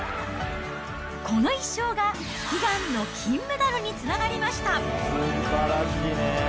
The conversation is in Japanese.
この１勝が、悲願の金メダルにつながりました。